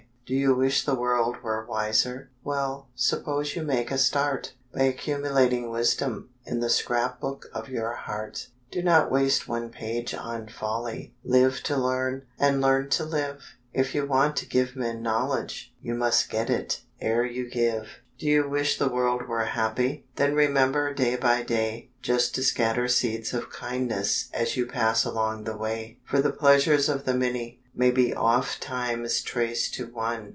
Do you wish the world were wiser? Well, suppose you make a start, By accumulating wisdom In the scrapbook of your heart; Do not waste one page on folly; Live to learn, and learn to live. If you want to give men knowledge You must get it, ere you give. Do you wish the world were happy? Then remember day by day Just to scatter seeds of kindness As you pass along the way, For the pleasures of the many May be ofttimes traced to one.